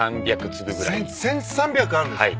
１，３００あるんですか？